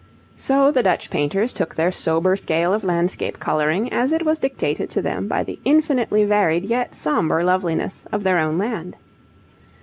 So the Dutch painters took their sober scale of landscape colouring as it was dictated to them by the infinitely varied yet sombre loveliness of their own land.